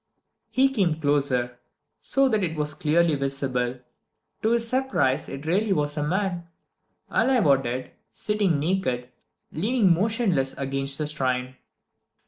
He came closer, so that it was clearly visible. To his surprise it really was a man, alive or dead, sitting naked, leaning motionless against the shrine.